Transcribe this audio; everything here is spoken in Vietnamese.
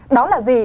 đó là gì